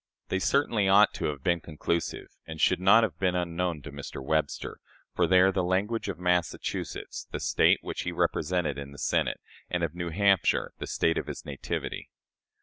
They certainly ought to have been conclusive, and should not have been unknown to Mr. Webster, for they are the language of Massachusetts, the State which he represented in the Senate, and of New Hampshire, the State of his nativity.